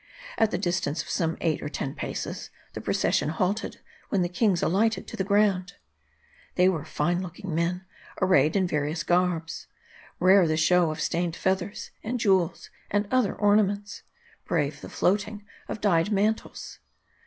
At the distance of some eight or ten paces the procession halted ; when the kings alighted to the ground. They were fine looking men, arrayed in various garbs. JRare the show of stained feathers, and jewels, and other adornments. Brave the floating of dyed mantles.